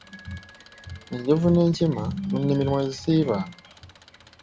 Enjovu n’enkima mu nnimiro mwe zisiiba.